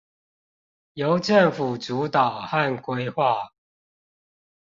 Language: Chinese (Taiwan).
由政府主導和規劃